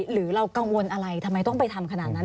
หรือเรากังวลอะไรทำไมต้องไปทำขนาดนั้น